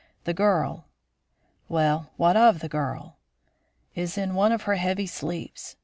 The girl " "Well, what of the girl?" "Is in one of her heavy sleeps.